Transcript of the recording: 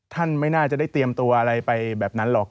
ท่านไม่น่าจะได้เตรียมตัวอะไรไปแบบนั้นหรอก